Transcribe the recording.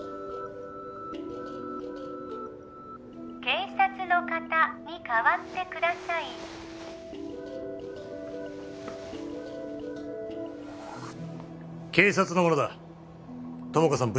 警察の方に代わってください警察の者だ友果さん